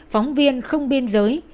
phóng viên không biên giới